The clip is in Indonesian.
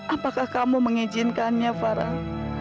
apakah kamu mengizinkannya farah